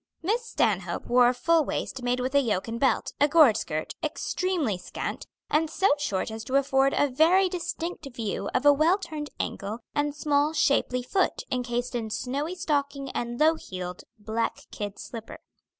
Miss Stanhope wore a full waist made with a yoke and belt, a gored skirt, extremely scant, and so short as to afford a very distinct view of a well turned ankle and small, shapely foot encased in snowy stocking and low heeled black kid slipper.